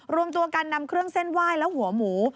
รวมตัวกันนำเครื่องเส้นไหว้และหัวหมู